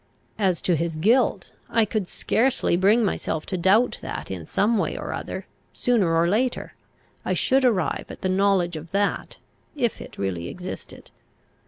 As to his guilt, I could scarcely bring myself to doubt that in some way or other, sooner or later, I should arrive at the knowledge of that, if it really existed.